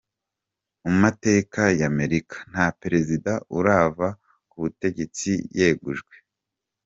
Mu mateka y'Amerika, nta perezida urava ku butegetsi yegujwe.